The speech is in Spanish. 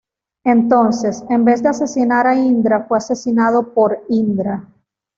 Entonces, en vez de asesinar a Indra, fue asesinado por Indra.